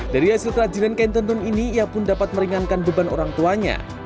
dari hasil kerajinan kain tenun ini ia pun dapat meringankan beban orang tuanya